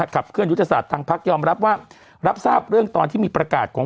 ขับเคลื่อยุทธศาสตร์ทางพักยอมรับว่ารับทราบเรื่องตอนที่มีประกาศของ